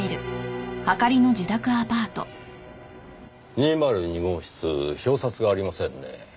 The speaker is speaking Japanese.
２０２号室表札がありませんね。